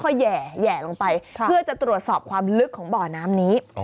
แห่ลงไปเพื่อจะตรวจสอบความลึกของบ่อน้ำนี้